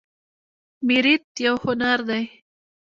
میریت یو هنر دی